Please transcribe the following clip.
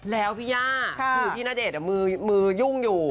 แล้วพี่ย่าคือพี่ณเดชน์มือยุ่งอยู่